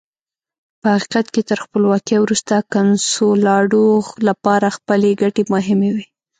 په حقیقت کې تر خپلواکۍ وروسته کنسولاډو لپاره خپلې ګټې مهمې وې.